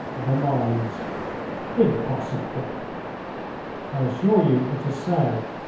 . the mines." "Impossible!" "I assure you it is so.